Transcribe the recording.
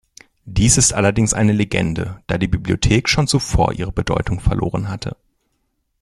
Dies ist allerdings eine Legende, da die Bibliothek schon zuvor ihre Bedeutung verloren hatte.